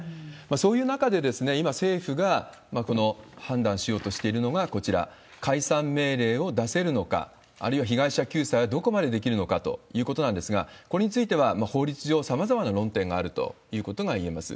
そういう中で、今、政府が判断しようとしているのがこちら、解散命令を出せるのか、あるいは被害者救済はどこまでできるのかということなんですが、これについては、法律上、さまざまな論点があるということがいえます。